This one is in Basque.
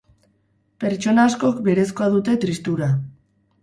Pertsona askok berezkoa dute tristura.